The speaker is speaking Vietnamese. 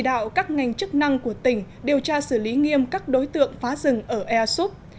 đạo các ngành chức năng của tỉnh điều tra xử lý nghiêm các đối tượng phá rừng ở airsub